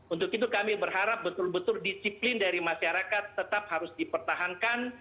untuk itu kami berharap betul betul disiplin dari masyarakat tetap harus dipertahankan